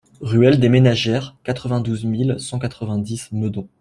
Ruelle des Ménagères, quatre-vingt-douze mille cent quatre-vingt-dix Meudon